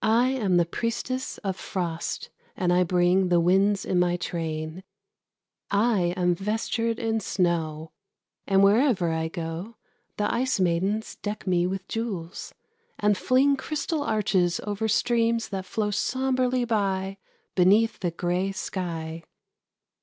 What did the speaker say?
I am the priestess of frost, and I bring The winds in my train. I am vestured in snow, And wherever I go The ice maidens deck me with jewels, and fling Crystal arches o'er streams that flow sombrely by Beneath the grey sky.